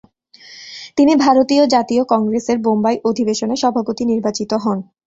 তিনি ভারতীয় জাতীয় কংগ্রেসের বোম্বাই অধিবেশনে সভাপতি নির্বাচিত হন।